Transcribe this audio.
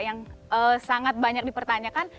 yang sangat banyak dipertanyakan